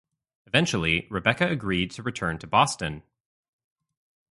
Eventually, Rebecca agreed to return to Boston.